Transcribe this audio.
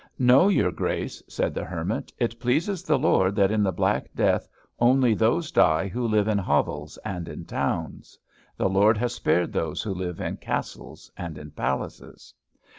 "No, your Grace," said the Hermit, "it pleases the Lord that in the Black Death only those die who live in hovels and in towns. The Lord has spared those who live in castles and in palaces."